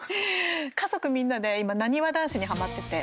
家族みんなで今、なにわ男子にはまってて。